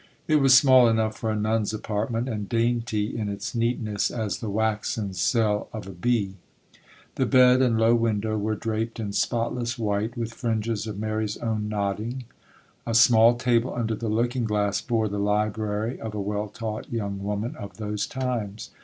It was small enough for a nun's apartment, and dainty in its neatness as the waxen cell of a bee. The bed and low window were draped in spotless white, with fringes of Mary's own knotting. A small table under the looking glass bore the library of a well taught young woman of those times.